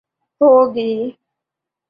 ہو گی